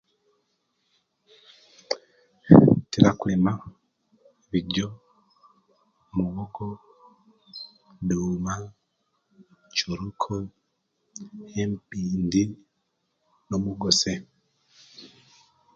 Ntira okulima bijo, muwogo, duma, kyoroko, ne empindi, no mugose